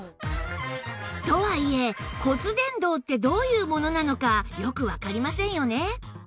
とはいえ骨伝導ってどういうものなのかよくわかりませんよね